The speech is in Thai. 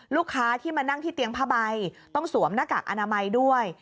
ลูกค้าที่มานั่งที่เตียงผ้าใบต้องสวมหน้ากากอนามัยด้วย